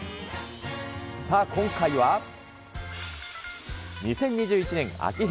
さあ、今回は２０２１年秋編。